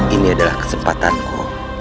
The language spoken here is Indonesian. ini adalah kesempatanku